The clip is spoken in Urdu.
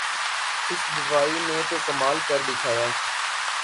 اس دوائی نے تو کمال کر دکھایا